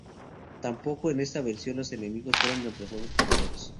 Tampoco en esta versión, los enemigos fueron reemplazados por robots.